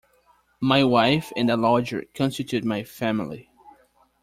My wife and a lodger constitute my family.